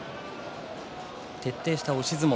徹底した押し相撲。